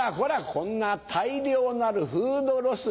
こんな大量なるフードロス。